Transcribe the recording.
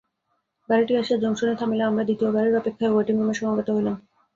গাড়িটি আসিয়া জংশনে থামিলে আমরা দ্বিতীয় গাড়ির অপেক্ষায় ওয়েটিংরুমে সমবেত হইলাম।